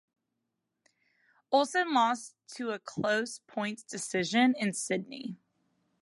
Olson lost to a close points decision in Sydney.